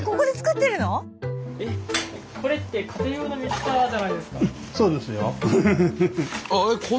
これって家庭用のミキサーじゃないですか？